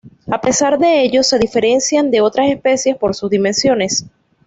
A pesar de ello se diferencian de otras especies por sus dimensiones.